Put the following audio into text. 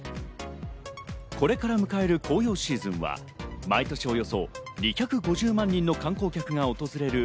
これから迎える紅葉シーズンは毎年およそ２５０万人の観光客が訪れる